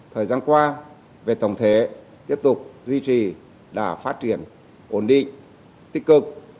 thời gian qua về tổng thể tiếp tục duy trì đã phát triển ổn định tích cực